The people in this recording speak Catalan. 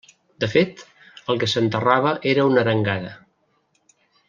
De fet, el que s'enterrava era una arengada.